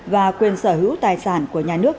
và quyền sở hữu tài sản của nhà nước